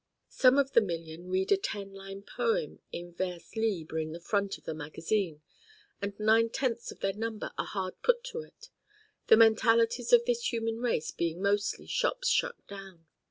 Some of the million read a ten line poem in vers libre in the front of the magazine and nine tenths of their number are hard put to it: the mentalities of this human race being mostly shops shut down.